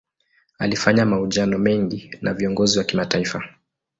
Alifanya mahojiano mengi na viongozi wa kimataifa.